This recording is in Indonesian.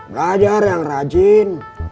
belajar yang rajin